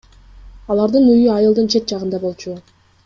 Алардын үйү айылдын чет жагында болчу.